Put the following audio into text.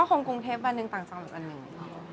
คงกรุงเทพฯบ้านหนึ่งต่างจังหรือบ้านหนึ่ง